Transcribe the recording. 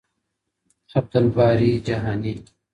عبدالباري جهانی